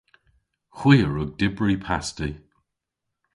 Hwi a wrug dybri pasti.